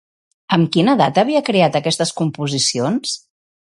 Amb quina edat havia creat aquestes composicions?